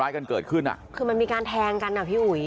กันเกิดขึ้นอ่ะคือมันมีการแทงกันอ่ะพี่อุ๋ย